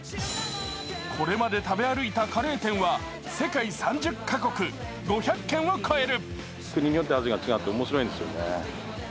これまで食べ歩いたカレー店は世界３０か国、５００軒を超える。